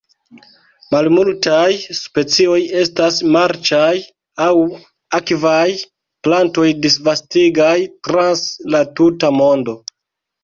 Malmultaj specioj estas marĉaj aŭ akvaj plantoj disvastigataj trans la tuta mondo.